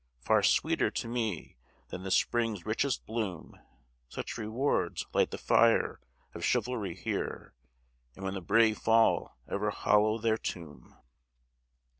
Far sweeter to me than the Spring's richest bloom: Such rewards light the fire of Chivalry here, And when the brave fall ever hallow their tomb.